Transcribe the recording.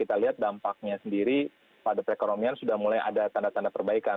kita lihat dampaknya sendiri pada perekonomian sudah mulai ada tanda tanda perbaikan